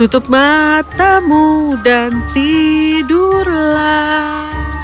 tutup matamu dan tidurlah